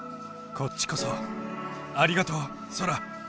こっちこそありがとうソラ。